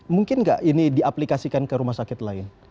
mungkin nggak ini diaplikasikan ke rumah sakit lain